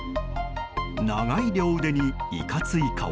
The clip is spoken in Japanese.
長い両腕にいかつい顔。